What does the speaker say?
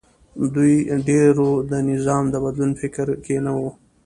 د دوی ډېری د نظام د بدلون په فکر کې نه و